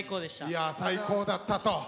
いや最高だったと。